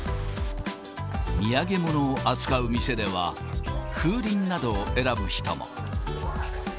土産物を扱う店では、風鈴などを選ぶ人も。